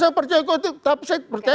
bukan bukan saya percaya